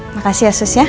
makasih ya sus ya